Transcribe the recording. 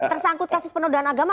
tersangkut kasus penodaan agama